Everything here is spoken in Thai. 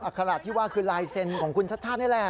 อักษระที่ว่าคือลายเซ็นต์ของคุณชัชชานี่แหละ